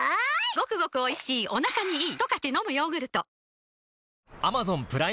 ゴクゴクおいしいお腹にイイ！